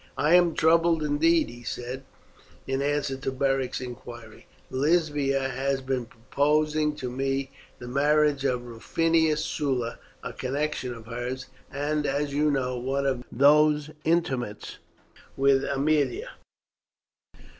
"I am troubled indeed," he said, in answer to Beric's inquiry. "Lesbia has been proposing to me the marriage of Rufinus Sulla, a connection of hers, and, as you know, one of Nero's intimates, with Aemilia."